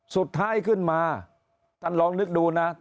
สุดท้ายขึ้นมาท่านลองนึกดูนะ